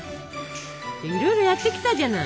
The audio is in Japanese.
いろいろやってきたじゃない。